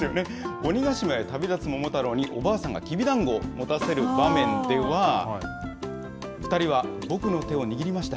鬼ヶ島へ旅立つ桃太郎におばあさんがきびだんごを持たせる場面では、２人は僕の手を握りました。